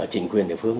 chính quyền địa phương